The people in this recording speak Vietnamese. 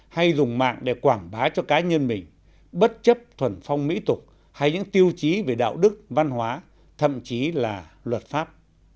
hay dùng mạng để quảng bá cho cá nhân mình bất chấp thuần phong mỹ tục hay những tiêu chí về đạo đức văn hóa thậm chí là luật pháp